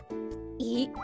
えっ？